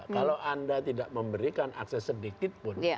kalau anda tidak memberikan akses sedikit pun